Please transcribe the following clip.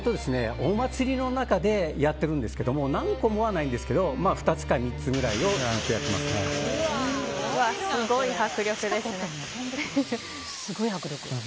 お祭りの中でやっているんですけど何個もはないんですけど２つか３つぐらいをすごい迫力ですね。